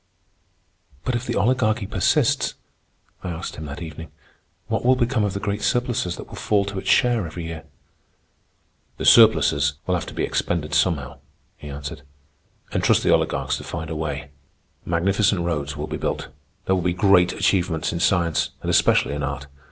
"But if the Oligarchy persists," I asked him that evening, "what will become of the great surpluses that will fall to its share every year?" "The surpluses will have to be expended somehow," he answered; "and trust the oligarchs to find a way. Magnificent roads will be built. There will be great achievements in science, and especially in art.